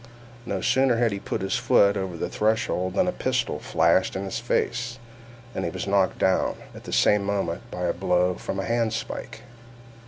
No sooner had he put his foot over the threshold than a pistol flashed in his face, and he was knocked down, at the same moment, by a blow from a handspike.